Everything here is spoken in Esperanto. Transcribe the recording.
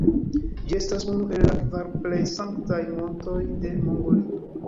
Ĝi estas unu el la kvar plej sanktaj montoj de Mongolio.